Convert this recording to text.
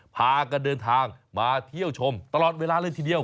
พากันเดินทางมาเที่ยวชมตลอดเวลาเลยทีเดียว